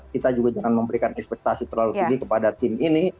kita juga jangan memberikan ekspektasi terlalu tinggi kepada tim ini